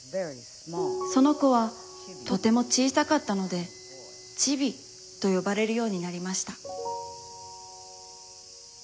その子は、とてもちいさかったので、ちびとよばれるようになりました。